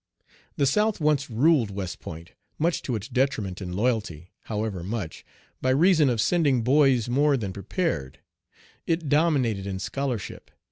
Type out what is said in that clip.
The South once ruled West Point, much to its detriment in loyalty, however much, by reason of sending boys more than prepared. It dominated in scholarship.